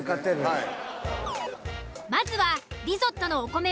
はい。